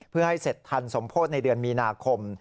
เพื่อให้เสร็จทันสมโพธิในเดือนมีนาคม